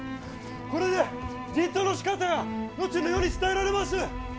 これで人痘のしかたは後の世に伝えられます！